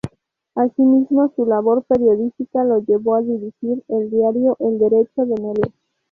Asimismo, su labor periodística lo llevó a dirigir el diario "El Derecho" de Melo.